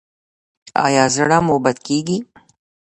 ایا زړه مو بد کیږي؟